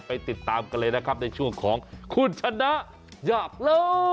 ไปติดตามกันเลยครับในช่วงของคุณชนะหยับหรอ